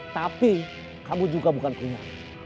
tapi kamu juga bukan rumah